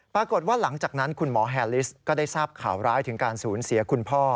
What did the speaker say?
ปรากฏว่าหลังจากนั้นคุณหมอแฮลิสก็ได้ทราบข่าวร้ายถึงการสูญเสียคุณพ่อ